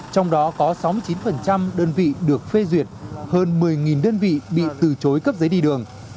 trong đó có sáu mươi chín đơn vị được phê duyệt hơn một mươi đơn vị bị từ chối cấp giấy đi đường